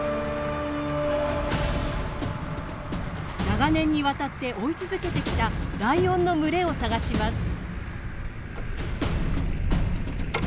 長年にわたって追い続けてきたライオンの群れを探します。